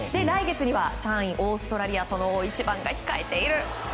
来月には３位オーストラリアとの大一番が控えている。